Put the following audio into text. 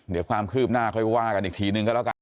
เดี๋ยวความคืบหน้าค่อยว่ากันอีกทีนึงก็แล้วกัน